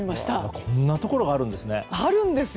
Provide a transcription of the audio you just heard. こんなところがあるんですね。